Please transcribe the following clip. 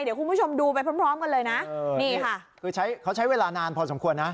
เดี๋ยวคุณผู้ชมดูไปพร้อมพร้อมกันเลยนะนี่ค่ะคือใช้เขาใช้เวลานานพอสมควรนะ